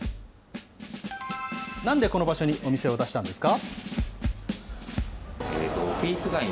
なんでこの場所にお店を出したんですか？